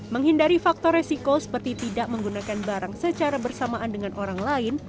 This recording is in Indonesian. menghindari faktor resiko seperti tidak menggunakan barang secara bersamaan dengan orang lain